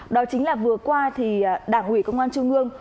đó chính là vừa qua thì đảng ủy công an trung ương